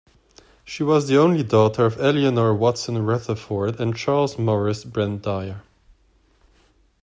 She was the only daughter of Eleanor Watson Rutherford and Charles Morris Brent-Dyer.